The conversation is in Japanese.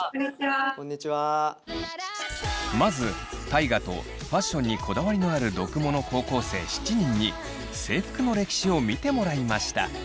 まず大我とファッションにこだわりのある読モの高校生７人に制服の歴史を見てもらいました。